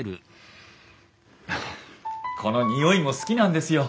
この匂いも好きなんですよ。